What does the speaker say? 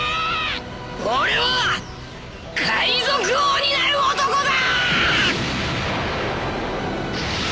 俺は海賊王になる男だ！！